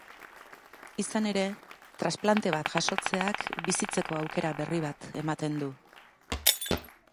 Izan ere, transplante bat jasotzeak bizitzeko aukera berri bat ematen du.